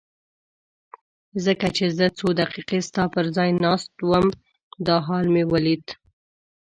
ځکه چې زه څو دقیقې ستا پر ځای ناست وم دا حال مې ولید.